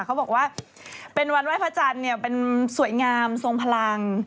เขาบอกว่าวันไว้พระจันทร์เป็นสวยงามสงพลัง